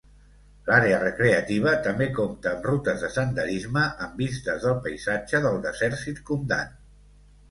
L'àrea recreativa també compta amb rutes de senderisme amb vistes del paisatge del desert circumdant.